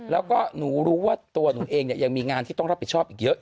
แล้วก็หนูรู้ว่าตัวหนูเองเนี่ยยังมีงานที่ต้องรับผิดชอบอีกเยอะ